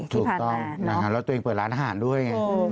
ถูกต้องและตัวเองเปิดร้านอาหารด้วย